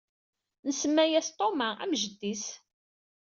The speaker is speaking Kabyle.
Nsemma-as Thomas, am jeddi-s.